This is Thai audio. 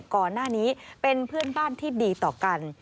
ก่อนหน้านี้เป็นเพื่อนบ้านที่ดีต่อกัน